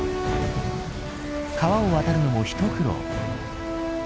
川を渡るのも一苦労。